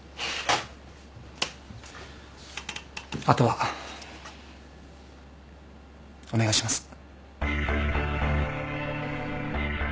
あとはお願いします。